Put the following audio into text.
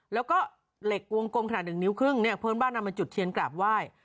แล้วก็เหล็กวงกลมขนาดหนึ่งนิ้วครึ่งเนี่ยเพื่อนบ้านนำมาจุดเทียนกราบไหว้